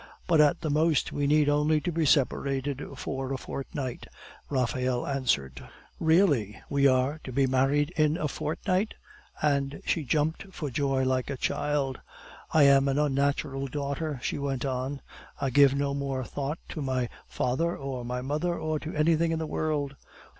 "But at the most we need only be separated for a fortnight," Raphael answered. "Really! we are to be married in a fortnight?" and she jumped for joy like a child. "I am an unnatural daughter!" she went on. "I give no more thought to my father or my mother, or to anything in the world.